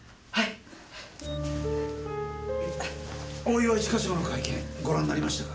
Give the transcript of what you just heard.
大岩一課長の会見ご覧になりましたか？